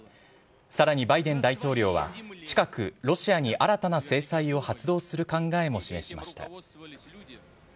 さらにバイデン大統領は近く、ロシアに新たな制裁を発動する考えも示しました。